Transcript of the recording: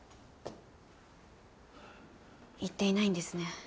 行っていないんですね。